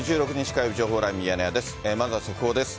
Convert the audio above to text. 火曜日、情報ライブミヤネ屋です。